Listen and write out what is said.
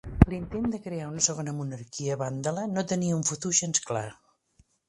L'intent de crear una segona monarquia vàndala no tenia un futur gens clar.